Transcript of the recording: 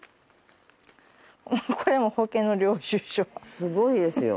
すごいですよ。